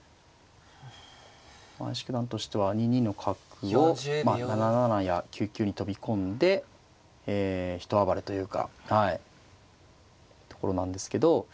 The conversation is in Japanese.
屋敷九段としては２二の角をまあ７七や９九に飛び込んで一暴れというかはいところなんですけど。